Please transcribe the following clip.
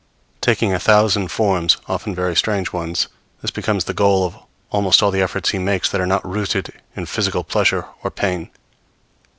Taking a thousand forms, often very strange ones, this becomes the goal of almost all the efforts he makes that are not rooted in physical pleasure or pain.